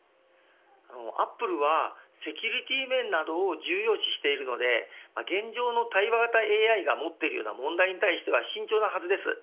アップルはセキュリティー面などを重要視しているので現状の対話型ＡＩが持っている問題に対しては慎重なはずです。